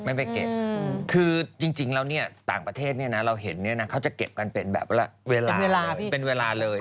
ไม่ไปเก็บคือจริงแล้วเนี่ยต่างประเทศเนี่ยนะเราเห็นเนี่ยนะเขาจะเก็บกันเป็นแบบเวลาเป็นเวลาเลย